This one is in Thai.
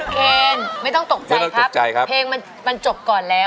เคนไม่ต้องตกใจครับเพลงมันจบก่อนแล้ว